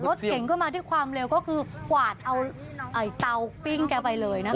รถเก่งก็มาด้วยความเร็วก็คือกวาดเอาเตาปิ้งแกไปเลยนะคะ